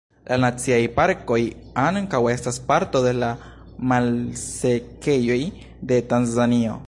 La naciaj parkoj ankaŭ estas parto de la malsekejoj de Tanzanio.